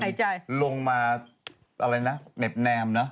ได้มีการลงมาอะไรนะเน็บแนมนะ